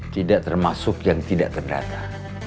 tidak termasuk yang tidak terdata